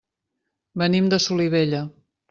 Venim de Solivella.